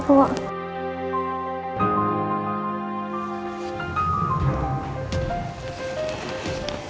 terima kasih pak